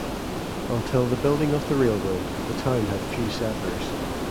Until the building of the railroad, the town had few settlers.